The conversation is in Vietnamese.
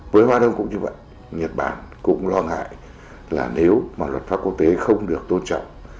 với man đông cũng như vậy nhật bản cũng lo ngại là nếu mà luật pháp quốc tế không được tôn trọng